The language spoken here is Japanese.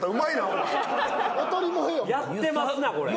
やってますなこれ。